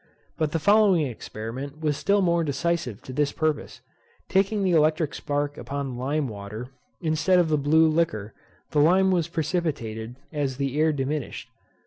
But the following experiment was still more decisive to this purpose. Taking the electric spark upon lime water, instead of the blue liquor, the lime was precipitated as the air diminished.